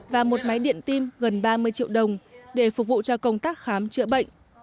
và một máy điện tim gần ba mươi triệu đồng để phục vụ cho công tác khám chữa bệnh